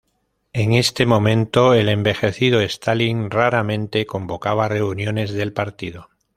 En este momento, el envejecido Stalin raramente convocaba reuniones del partido.